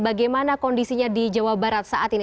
bagaimana kondisinya di jawa barat saat ini